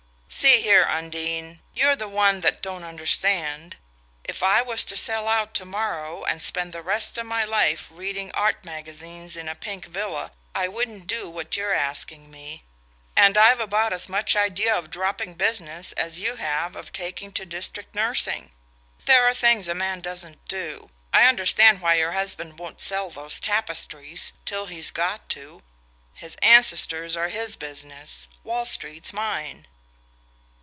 "See here, Undine you're the one that don't understand. If I was to sell out to morrow, and spend the rest of my life reading art magazines in a pink villa, I wouldn't do what you're asking me. And I've about as much idea of dropping business as you have of taking to district nursing. There are things a man doesn't do. I understand why your husband won't sell those tapestries till he's got to. His ancestors are HIS business: Wall Street's mine."